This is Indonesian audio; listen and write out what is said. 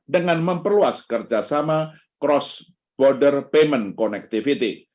dengan memperluas kerjasama cross border payment connectivity